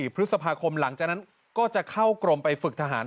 พฤษภาคมหลังจากนั้นก็จะเข้ากรมไปฝึกทหาร